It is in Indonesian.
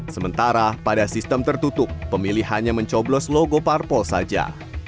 sementara pada sistem tertutup pemilih hanya mencoblos logo parpol saja